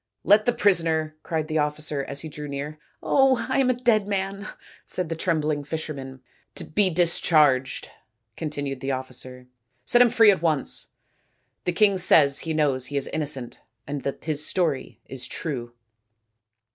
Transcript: " Let the prisoner " cried the officer, as he drew near. " Oh, I am a dead man," said the trembling fisherman. "be discharged," continued the officer. " Set him free at once. The king says he knows he is innocent, and that his story is true."